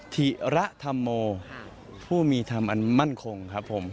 ธิระธรรโมผู้มีธรรมอันมั่นคงครับผม